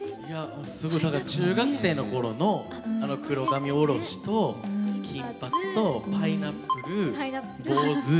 中学生の頃のあの黒髪下ろしと金髪とパイナップル坊主。